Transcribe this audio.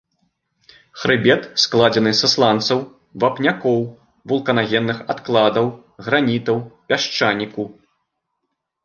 Хрыбет складзены са сланцаў, вапнякоў, вулканагенных адкладаў, гранітаў, пясчаніку.